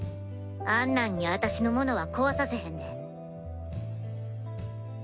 あんなんに私のものは壊させへんで。